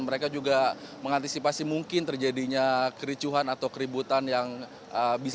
mereka juga mengantisipasi mungkin terjadinya kericuhan atau keributan yang bisa